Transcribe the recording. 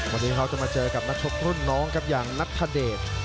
วันนี้เขาจะมาเจอกับนักชกรุ่นน้องครับอย่างนัทธเดช